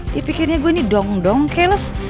dipikirnya gue nih dong dong keles